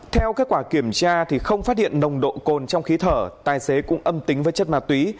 theo kết quả kiểm tra không phát hiện nồng độ cồn trong khí thở tài xế cũng âm tính với chất ma túy